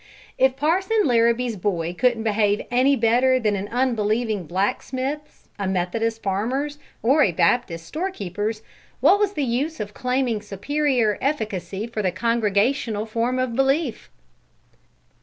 If Parson Larrabee's boy couldn't behave any better than an unbelieving black smith's, a Methodist farmer's, or a Baptist storekeeper's, what was the use of claiming superior efficacy for the Congregational form of belief?